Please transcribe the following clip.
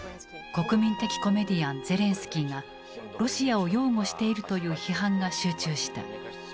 国民的コメディアンゼレンスキーがロシアを擁護しているという批判が集中した。